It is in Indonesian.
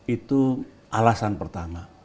itu alasan pertama